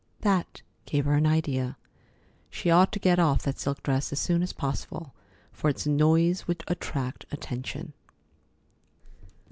That gave her an idea. She ought to get off that silk dress as soon as possible, for its noise would attract attention.